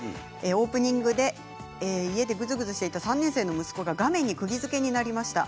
オープニングで家でぐずぐずしていた３年生の息子が画面にくぎづけになりました。